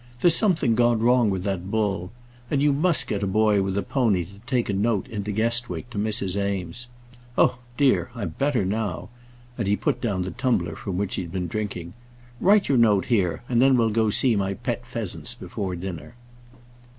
There's something gone wrong with that bull. And you must get a boy with a pony to take a note into Guestwick, to Mrs. Eames. Oh dear, I'm better now," and he put down the tumbler from which he'd been drinking. "Write your note here, and then we'll go and see my pet pheasants before dinner."